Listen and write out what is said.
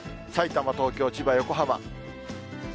さいたま、東京、千葉、横浜。